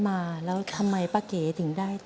ทำงานชื่อนางหยาดฝนภูมิสุขอายุ๕๔ปี